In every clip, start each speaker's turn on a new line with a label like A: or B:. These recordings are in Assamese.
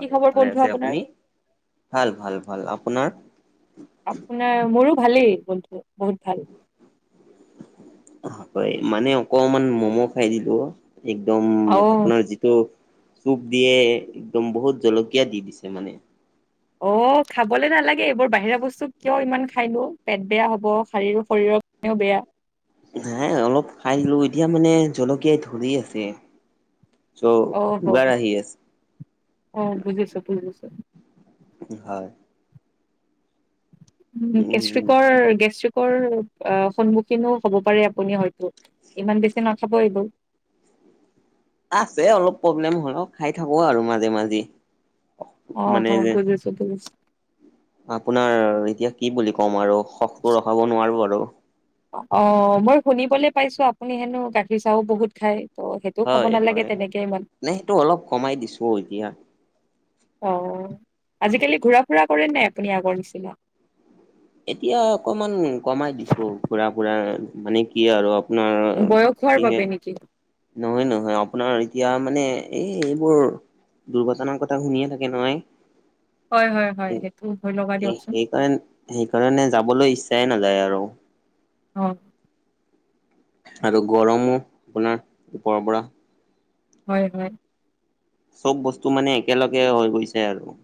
A: কি খবৰ
B: ভালে
A: বন্ধু
B: আছে
A: আপোনাৰ?
B: আপুনি? ভাল ভাল ভাল, আপোনাৰ?
A: আপোনাৰ মোৰো ভালেই, বন্ধু বহুত ভাল।
B: হয় মানে অকমান মম' খাই দিলো, একদম
A: অ',
B: আপোনাৰ যি টো চুপ দিয়ে, একদম বহুত জলকীয়া দি দিছে মানে।
A: অ খাবলে নালাগে এইবোৰ বাহিৰা বস্তু কিয় ইমান খাইনো, পেট বেয়া হব শাৰীৰ শৰীৰৰ নেও বেয়া
B: নাই অলপ খাই দিলো এতিয়া মানে জলকীয়াই ধৰি আছে। চ'
A: অ হ'ব,
B: উগাৰ আহি আছে
A: অ বুজিছো - বুজিছো।
B: হয়। উম
A: গেষ্ট্ৰিকৰ -গেষ্ট্ৰিকৰ অঁ' সন্মুখীনো হ'ব পাৰে আপুনি হয়তো। ইমান বেছি নাখাব এইবোৰ।
B: আছে অলপ প্ৰব্লেম হ'লেও খাই থাকো আৰু মাজে-মাজে।
A: অহ' বুজিছো- বুজছো।
B: আপোনাৰ এতিয়া কি বুলি ক'ম আৰু শখটো ৰখাব নোৱাৰো আৰু।
A: অঁ' মই শুনিবলৈ পাইছো আপুনি সেনো গাখীৰ চাহও বহুত খায়। অঁ, সেইটো খাব নালাগে তেনেকে ইমান।
B: নাই সেইটো অলপ কমাই দিছো এতিয়া।
A: অহ' আজিকালি ঘুৰা ফুৰা কৰে নাই আপুনি আগৰ নিচিনা?
B: এতিয়া অকমান কমাই দিছো ফুৰা ফুৰা মানে কি আৰু আপোনাৰ
A: বয়স হোৱাৰ বাবে
B: কিহে
A: নেকি?
B: নহয় নহয়, আপোনাৰ এতিয়া মানে এই এইবোৰ দুৰ্ঘটনাৰ কথা শুনিয়ে থাকে নহয়।
A: হয় হয় হয় সেইটো ভয় লগা দিয়কচোন।
B: সেইকাৰণে-সেইকাৰণে যাবলৈ ইচ্ছাই নাযায় আৰু।
A: অঁ।
B: আৰু গৰমো আপোনাৰ ওপৰৰ পৰা।
A: হয় হয়।
B: চ'ব বস্তু মানে একেলগে হৈ গৈছে আৰু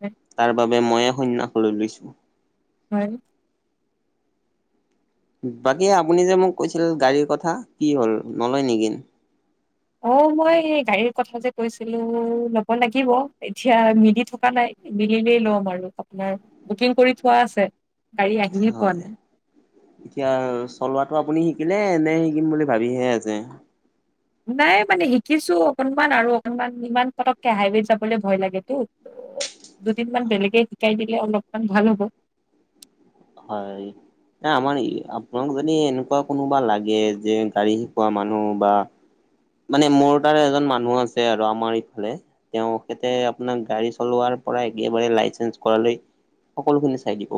A: হয়
B: তাৰ বাবে মইয়ে সন্ন্যাস লৈ লৈছো।
A: হয়।
B: বাকী আপুনি যে মোক কৈছিল গাড়ীৰ কথা কি হ'ল নলয় নেকি?
A: অঁ' মই গাড়ীৰ কথা যে কৈছিলো ল'ব লাগিব। এতিয়া মিলি থকা নাই। মিলিলেই ল'ম আৰু আপোনাৰ বুকিং কৰি থোৱা আছে। গাড়ী আহিয়ে পোৱা
B: হয়
A: নাই।
B: এতিয়া চলোৱাটো আপুনি শিকিলে নে শিকিম বুলি ভাবিহে আছে?
A: নাই মানে শিকিছো অকনমান আৰু অকনমান ইমান পতককে হাইৱে যাবলৈ ভয় লাগেতো।
B: [unintelligible]
A: দুদিনমান বেলেগে শিকাই দিলে অলপমান ভাল হ'ব।
B: হয়। আমাৰ আপোনাক যদি এনেকুৱা কোনোবা লাগে যে গাড়ী শিকোৱা মানুহ বা মানে মোৰ তাৰ এজন মানুহ আছে আৰু আমাৰ ইফালে। তেওঁখেতে আপোনাক গাড়ী চলোৱাৰ পৰা একেবাৰে লাইচেন্ঞ্চ কৰা লৈ সকলোখিনি চাই দিব।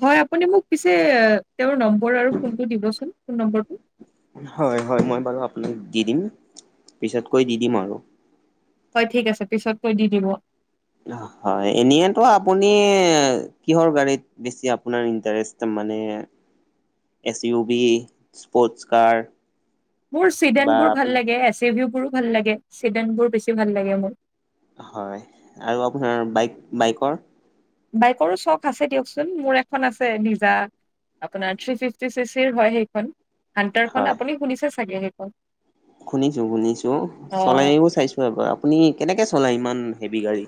A: হয়, আপুনি মোক পিছে তেওঁৰ নম্বৰ আৰু ফোনটো দিবচোন ফোন নম্বৰটো।
B: হয় হয়, মই বাৰু আপোনাক দি দিম পিছতকৈ দি দিম আৰু।
A: হয়, ঠিক আছে, পিছতকৈ দি দিব।
B: হয়, এনেইতো আপুনি কিহৰ গাড়ীত বেছি আপোনাৰ ইণ্টাৰেষ্ট মানে এছ ইউ বি, স্পৰ্টছ কাৰ
A: মোৰ ছিডেন
B: বা
A: বোৰ ভাল
B: আপোনাৰ
A: লাগে, এচি ভিউ বোৰো ভাল লাগে, চিডেন বোৰ বেছি ভাল লাগে মোৰ।
B: হয় আৰু আপোনাৰ বাইক-বাইকৰ?
A: বাইকৰো চখ আছে দিয়কচোন। মোৰ এখন আছে নিজা। আপোনাৰ থ্ৰী ফিফটি চি চিৰ হয় সেইখন। হণ্টাৰখন আপুনি শুনিছে চাগে সেইখন।
B: শুনিছোঁ- শুনিছোঁ,
A: অ
B: চলায়ও চাইছোঁ এবাৰ, আপুনি কেনেকৈ চলায় ইমান সেভি গাড়ী?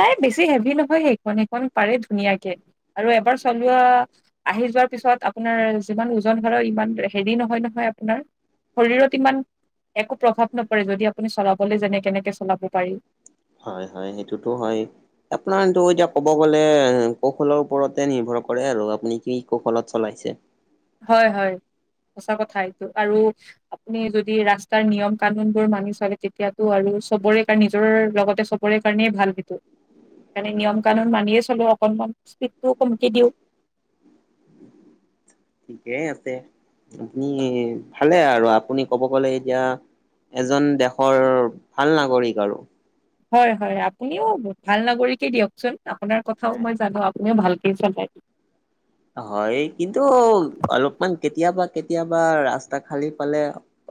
A: নাই, বেছি সেভি নহয় সেইখন। সেইখন পাৰে ধুনীয়াকে আৰু এবাৰ চলোৱা আহি যোৱাৰ পিছত আপোনাৰ যিমান ওজন ধৰ ইমান হেৰি নহয় নহয় আপোনাৰ। শৰীৰত ইমান একো প্ৰভাৱ নপৰে। যদি আপুনি চলাবলৈ জানে কেনেকে চলাব পাৰি।
B: হয় হয় সেইটোতো হয়ে। আপোনাৰটো এতিয়া ক'ব গ'লে কৌশলৰ ওপৰতে নিৰ্ভৰ কৰে আৰু আপুনি কি কৌশলত চলাইছে।
A: হয় হয় সঁচা কথা এইটো। আৰু আপুনি যদি ৰাস্তাৰ, নিয়ম কানুন বোৰ মানি চলে, তেতিয়াতো আৰু চবৰে কাৰণ নিজৰৰ লগতে চব ৰে কাৰণেই ভাল। সেইটো সেইকাৰণে নিয়ম
B: হয়।
A: কানুন মানিয়ে চলো, অকনমান স্পীডটোও কমকি দিওঁ।
B: ঠিকেই আছে, আপনি ভালে আৰু আপুনি কব গ'লে এতিয়া এজন দেশৰ ভাল নাগৰিক আৰু।
A: হয় হয় আপুনিও ভাল নাগৰিকে দিয়কচোন, আপোনাৰ কথাও মই জানো। তুমি ভালকে চালাই।
B: হয়। কিন্তু অলপমান কেতিয়াবা কেতিয়াবা ৰাস্তা খালি পালে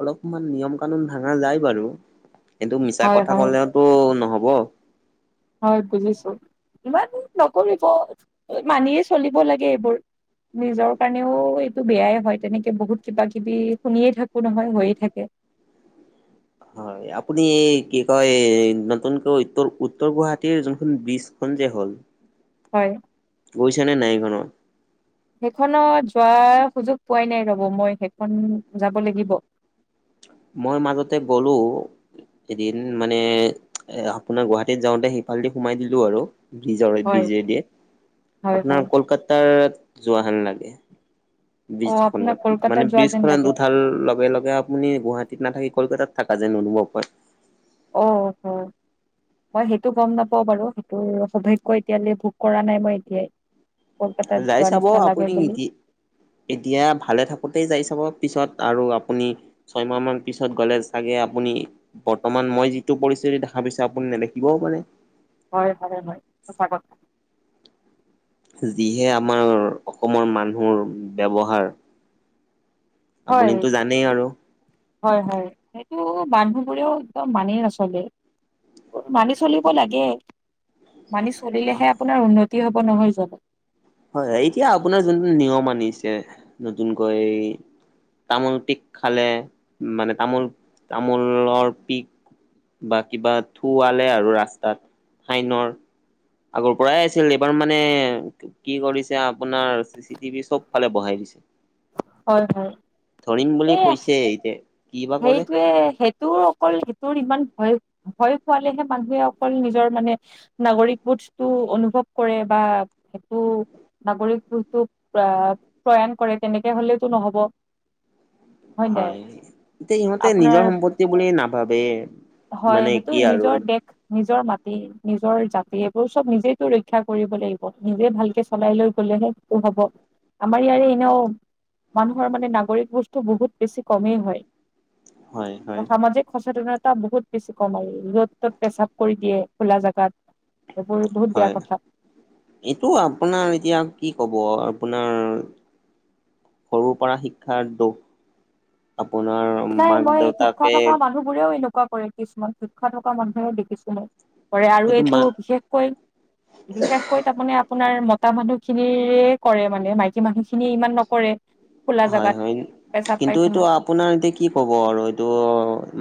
B: অলপমান নিয়ম কানুন ভাঙা যায় বাৰু কিন্তু মিছা
A: হয়
B: কথা
A: হয়
B: কলেওতো নহব।
A: হয় বুজিছো, ইমান নকৰিব মানিয়ে চলিব লাগে এইবোৰ। নিজৰ কাৰণেও এইটো বেয়াই হয়,। তেনেকে বহুত কিবা কিবি শুনিয়ে থাকো নহয় হৈয়ে থাকে।
B: হয় আপুনি এই কি কয় নতুনকৈ উত্তৰ- উত্তৰ গুৱাহাটীৰ যিখন ব্ৰীজ, খন যে হ'ল
A: হয়।
B: গৈছ নে নাই এই খনত?
A: সেইখনত যোৱাৰ সুযোগ পোৱাই নাই ৰব, মই সেইখন যাব লাগিব।
B: মই মাজতে গ'লো। এদিন মানে এ আপোনাৰ গুৱাহাটীত, যাওঁতে সিফালদি সোমাই দিলো আৰু। বিজৰে
A: হয়
B: ব্ৰীজে দিয়ে,
A: হয়
B: আপোনাৰ
A: হয়
B: কলকাতাৰ যোৱা হান লাগে
A: অ
B: ব্ৰীজ,
A: আপোনাক
B: খনত মানে
A: কলকাতাত যোৱা
B: ব্ৰীজ,
A: যেন
B: খনত
A: লাগে
B: উঠাল লগে লগে আপুনি গুৱাহাটী, নাথাকি কলকাতত, থকা যেন আনুভব হয়।
A: অ' অ' মই সেইটো গম নাপাওঁ বাৰু। সেইটো সৌভাগ্য এতিয়ালৈ ভোগ কৰা নাই মই এতিয়াই। কলকাতাত
B: যাই
A: যোৱ
B: চাব
A: নিচিনা লাগে বুলি।
B: আপুনি এতিয়া ভালে থাকোঁতেই যাই চাব। পিছত আৰু আপুনি ছয়মাহ মান পিছত গ'লে চাগে আপুনি বৰ্তমান মই যিটো পৰিস্থিতি দেখা পাইছো, আপুনি নেদেখিবও পাৰে।
A: হয় হয় হয় সঁচা কথা।
B: যিহে আমাৰ অসমৰ মানুহৰ ব্যৱহাৰৰ
A: হয়
B: আপুনিতো জানেই আৰু।
A: হয় হয় সেইটো মানুহবোৰেও একদম মানেই নচলে। মানি চলিব
B: হয়
A: লাগে মানি চলিলেহে আপোনাৰ উন্নতি হব নহয় যানো।
B: হয়-হয়, এতিয়া আপোনাৰ যোনটো নিয়ম আনিছে নতুনকৈ। তামোল, পিক খালে, মানে তামোল, তামোলৰ পিক। বা কিবা থুুৱালে আৰু ৰাস্তাত ফাইনৰ। আগৰ পৰাই আছিল, এইবাৰ মানে। কি কৰিছে, আপোনাৰ চি চি টিভি চব ফালে বহাই দিছে।
A: হয় হয়
B: ধৰিম বুলি
A: এই
B: কৈছে এতিয়া। কি বা কৰে
A: সেইটোৱে সেই। তোৰ অকল তোৰ ইমান ভয় ভয় খোৱালেহে মানুহে অকল নিজৰ মানে নাগৰিক বোধটো অনুভৱ কৰে বা সেইটো নাগৰিকবোৰটো প্ৰয়া-প্ৰয়াণ কৰে তেনেকে হ'লেতো ন'হব।
B: হয়, এতিয়া ইহঁতে নিজৰ
A: আপোনাৰ
B: সম্পত্তি বুলি নাভাবে।
A: হয়।
B: মানে
A: সেইটো
B: কি আৰু
A: নিজৰ দেশ নিজৰ মাটি, নিজৰ জাতি, এইবোৰ চব নিজেতো ৰক্ষা কৰিব লাগিব। নিজে ভালকে চলাই লৈ গ'লেহে সেটো হ'ব, আমাৰ ইয়াৰে এনেও মানুহৰ মানে নাগৰিক বস্তু বহুত বেছি কমেই হয়। সামাজিক সচেতনত তা বহুত বেছি কম আৰু, য'ত-ত'ত পেচাব কৰি দিয়ে খোলা জাগাত। এইবোৰ বহুত বেয়া
B: হয়
A: কথা।
B: এইটো আপোনাৰ এতিয়া কি ক'ব, আপোনাৰ সৰুৰ পৰা শিক্ষাৰ দোষ। আপোনাৰ মাক-দেউতাকে
A: বোৰেও এনেকুৱা কৰে, কিছুমান শিক্ষা থকা মানুহেও দেখিছো মই কৰে আৰু
B: সেইটো
A: এইটো
B: মাক
A: বিশেষকৈ বিশেষকৈ তাৰমানে আপোনাৰ মতা মানুহ খিনিৰে কৰে, মানে মাইকী মানুহখিনিয়ে ইমান নকৰে। খোলা
B: হয়
A: জোগাত
B: হয়। কিন্তু এইটো
A: পেচাব-পাইখানা।
B: আপোনাৰ এতিয়া কি ক'ব আৰু এইটো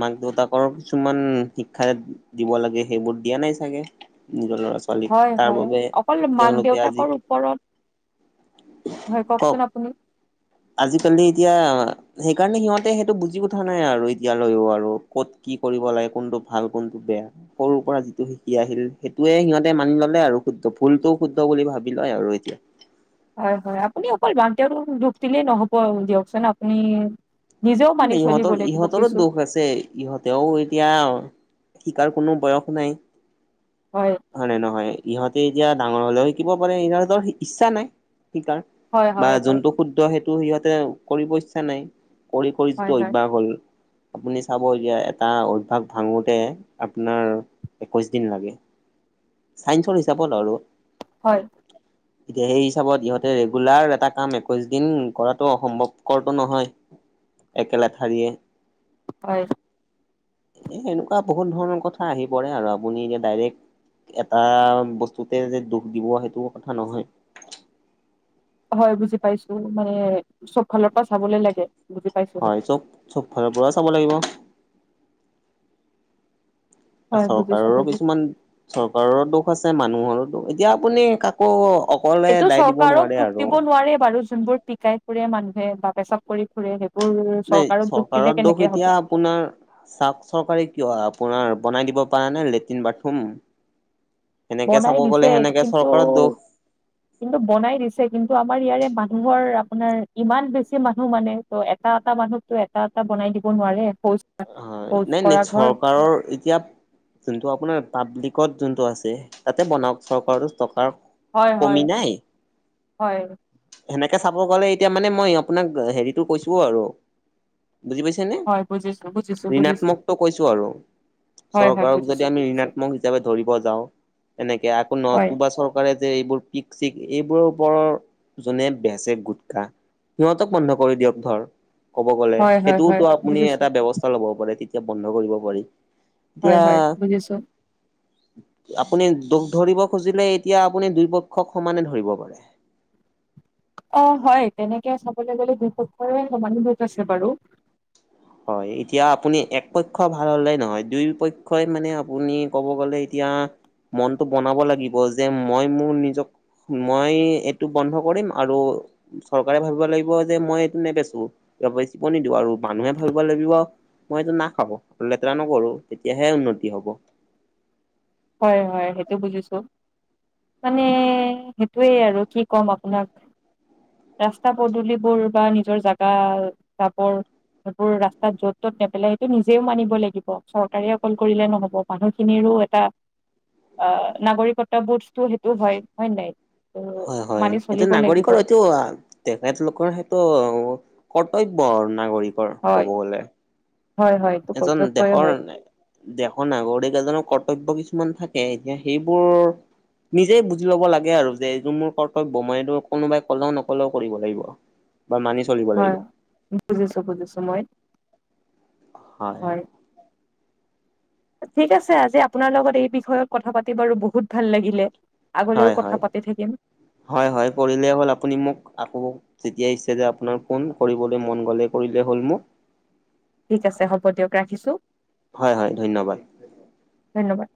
B: মাক-দেউতাকৰ কিছুমান শিক্ষাৰে দিব লাগে সেইবোৰ দিয়া নাই চাগে। নিজৰ ল'ৰা-ছোৱালী
A: হয়, হয়। অকল
B: আজি
A: মাক-দেউতাকৰো ওপৰত, হয়,
B: কওক
A: কওঁকচোন আপুনি।
B: আজিকালি এতিয়া হেইকাৰনে সিহঁতে সেইটো বুজি উঠা নাই আৰু এতিয়ালৈও আৰু। ক'ত কি কৰিব লাগে, কোনটো ভাল, কোনটো বেয়া। সৰু পৰা যিটো শিকি আহিল, সেইটোৱে সিহঁতে মানি ল'লে আৰু শুদ্ধ, ভুলটোও শুদ্ধ বুলি ভাবি লয় আৰু এতিয়া।
A: হয়, হয়, আপুনি অকল মাক-দেউতাকক দুখ দিলেই নহ'ব দিয়কচোন আপুনি। নিজেও মানি চলিব লাগিব কিছু।
B: তে ইহঁতেও এতিয়া শিকাৰ কোনো বয়স নাই।
A: হয়।
B: হয় নে নহয়? ইহঁতে এতিয়া ডাঙৰ হ'লেও শিকিব পাৰে, ইহঁতৰ ইচ্ছা নাই শিকাৰ।
A: হয়,
B: বা
A: হয়, হয়,
B: যোনটো শুদ্ধ সেইটো সিহঁতে কৰিব ইচ্ছা নাই। কৰি কৰি
A: হয়,
B: যিটো
A: হয়,
B: অভ্যাস হ'ল আপুনি চাব এতিয়া এটা অভ্যাস ভাঙোতে আপোনাৰ একৈছ দিন লাগে। চাইঞ্চৰ হিচাপত আৰু।
A: হয়।
B: [inaudible] এতিয়া সেই হিচাপত ইহঁতে ৰেগুলাৰ এটা কাম একৈশ দিন কৰাতটো অসম্ভৱকৰটো নহয়। একেলেঠাৰিয়ে।
A: হয়।
B: এ এনেকুৱা বহুত ধৰণৰ কথা আহি পৰে আৰু আপুনি এতিয়া ডাইৰেক্ট এটা বস্তুতে যে দুখ দিব সেইটো কথা নহয়।
A: হয়, বুজি পাইছো। মানে চবফালৰ পৰা চাবলে লাগে। বুজি পাইছো সেইটো
B: হয়, চব-চব ফালৰ পৰা চাব লাগিব।
A: হয় বুজিছো
B: চৰকাৰৰো
A: বুজিছো
B: কিছুমান, চৰকাৰো দোষ আছে, মানুহৰো দোষ, এতিয়া আপুনি কাক
A: এইটো চৰকাৰক দুখ দিব নোৱাৰে বাৰু, যোনবোৰ পিকাই ফুৰে মানুহে বা পেচাব কৰি ফুৰে হেইবোৰ
B: নাই
A: চৰকাৰক দুখ
B: চৰকাৰৰ
A: দিলে
B: দোষ
A: কেনেকে
B: এতিয়া
A: হ'ব?
B: আপোনাৰ চাওঁক চৰকাৰে কিয় আপোনাৰ বনাই দিব পাৰা নাই লেট্ৰিন-বাথৰুম? সেনেকে
A: বনাই
B: চাব
A: দিছে
B: গ'লে সেনেকে
A: কিন্তু
B: চৰকাৰৰ দোষ।
A: কিন্তু বনাই দিছে। কিন্তু আমাৰ ইয়াৰে মানুহৰ আপোনাৰ ইমান বেছি মানুহ মানে ত এটা-এটা মানুহকতো এটা-এটা বনাই দিব নোৱাৰে [unintelligible]
B: হয়
A: শৌচ
B: নাই নাই
A: কৰা ঘৰ
B: চৰকাৰৰ এতিয়া যোনটো আপোনাৰ পাব্লিকত যোনটো আছে তাতে বনাওক চৰকাৰো টকাৰ।
A: হয় হয়
B: কমি নাই।
A: হয়
B: সেনেকে চাব গ'লে এতিয়া মানে মই আপোনাক হেৰিটো কৈছো আৰু বুজি পাইছে নে।
A: হয় বুজিছো বুজিছো বুজিছো
B: ঋণাত্মকটো কৈছো আৰু।
A: হয় হয়
B: চৰকাৰক যদি
A: বুজিছো
B: আমি
A: বুজিছো
B: ঋণাত্মক হিচাপে ধৰিব যাওঁ এনেকে আকৌ
A: হয়
B: নতুবা চওক চৰকাৰে যে এইবোৰ পিক-চিক এইবোৰৰ ওপৰ জোনে বেচে গুটখা। সিহঁতক বন্ধ কৰি দিয়ক ধৰ কব গ'লে
A: হয় হয় হয়
B: সেইটোওতো আপুনি
A: বুজিছো
B: এটা ব্যৱস্থা। ব্যৱস্থা ল'ব পাৰে তেতিয়া বন্ধ কৰিব পাৰি
A: হয়
B: এতিয়া।
A: হয় বুজিছো
B: আপুনি দোষ ধৰিব খুজিলে এতিয়া আপুনি দুই পক্ষক সমানে ধৰিব পাৰে।
A: অ' হয় তেনেকে চাবলে গলে দুয়োপক্ষৰে সমানে দোষ আছে বাৰু।
B: হয় এতিয়া আপুনি একপক্ষ ভাল হলে নহয় দুই পক্ষই মানে আপুনি ক'ব গলে এতিয়া। মনটো বনাব লাগিব যে মই মোৰ নিজক মই এইটো বন্ধ কৰিম আৰু চৰকাৰে ভাবিব লাগিব যে মই এইটো নেবেচো বেচিব নিদিও আৰু মানুহে। ভাবিব লাগিব মই এইটো নাখাও লেতেৰা নকৰো তেতিয়াহে উন্নতি হব।
A: হয় হয় সেইটো বুজিছো। মানে সেইটোয়ে আৰু কি ক'ম আপোনাক। ৰাস্তা পদুলিবোৰ বা নিজৰ জাগা যাবৰ জাবৰ এইবোৰ ৰাস্তাত য'ত ত'ত নেপেলাই সেইটো নিজেও মানিব লাগিব চৰকাৰে অকল কৰিলে নহ'ব। মানুহ খিনিৰো এটা। অ' নাগৰিকত্ব বোধ সেইটো হয় হয় নাই। ত'
B: হয় হয়
A: মানি
B: এইটো
A: চলিব লাগিব
B: নাগৰিকৰ এইটো তেখেতলোকৰ সেইটো কৰ্তব্য নাগৰিকৰ
A: হয়
B: ক'ব গ'লে।
A: হয় হয়। এইটো
B: এজন
A: কৰ্তব্যই
B: দেশৰ
A: হয়
B: না দেশৰ নাগৰিক এজনৰ কৰ্তব্য কিছুমান থাকে এতিয়া সেইবোৰ নিজেই বুজি পাব লাগে আৰু যে এইটো মোৰ কৰ্তব্য মই এইটো কোনোবাই ক'লেও নকলেও কৰিব লাগিব। বা মানি চ
A: হয় বুজিছোঁ বুজিছোঁ মই।
B: হয়।
A: ঠিক আছে আজি আপোনাৰ লগত এই বিষয়ত কথা পাতি বাৰু বহুত ভাল লাগিলে। আগলৈও
B: হয়
A: কথা
B: হয়।
A: পাতি থাকিম।
B: হয় হয় কৰি়লে হ'ল আপুনি মোক আকৌ। যেতিয়া ইচ্ছা যায় আপোনাৰ ফোন কৰিবলে মন গ'লে কৰিলে হ'ল মোক।
A: ঠিক আছে হ'ব দিয়ক ৰাখিছো।
B: হয় হয় ধন্যবাদ।
A: ধন্যবাদ।